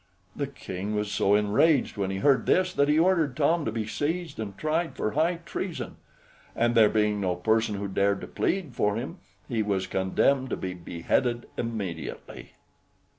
The King was so enraged when he heard this, that he ordered Tom to be seized and tried for high treason; and there being no person who dared to plead for him, he was condemned to be beheaded immediately.